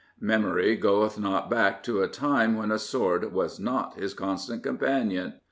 Memory goeth not back to a time when a sword was not his constant companion.